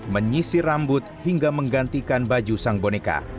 menyisir rambut hingga menggantikan baju sang boneka